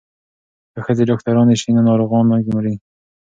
که ښځې ډاکټرانې شي نو ناروغانې نه مري.